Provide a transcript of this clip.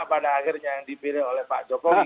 pada akhirnya yang dipilih oleh pak jokowi